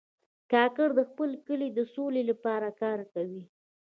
کاکړ د خپل کلي د سولې لپاره کار کوي.